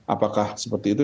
apakah seperti itu